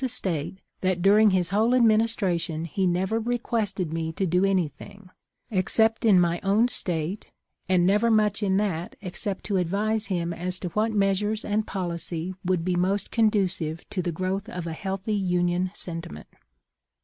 to state that during his whole administration he never requested me to do anything, except in my own State, and never much in that except to advise him as to what measures and policy would be most conducive to the growth of a healthy Union senti ment.